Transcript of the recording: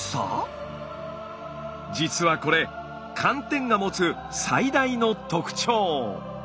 実はこれ寒天が持つ最大の特徴。